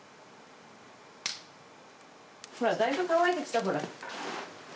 ほらだいぶ乾いてきたほら。